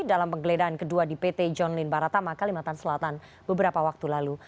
dalam penggeledahan kedua di pt john lin baratama kalimantan selatan beberapa waktu lalu